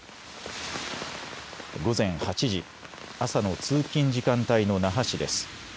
午前８時、朝の通勤時間帯の那覇市です。